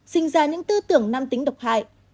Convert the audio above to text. sinh ra những tư tưởng nam tính độc hại